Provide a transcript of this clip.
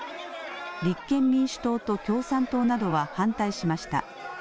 立憲民主党と共産党などは反対しました。